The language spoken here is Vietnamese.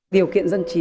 điều kiện dân trí